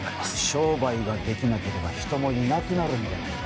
商売ができなければ人もいなくなるんじゃないか。